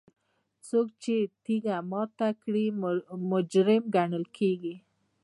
څوک چې تیږه ماته کړي مجرم ګڼل کیږي.